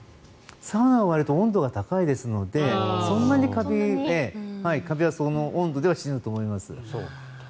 サウナはわりと温度が高いですのでそんなにカビはその温度では死ぬと思います。